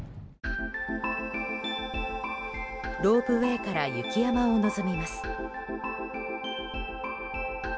ロープウェーから雪山を望みます。